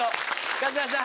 春日さん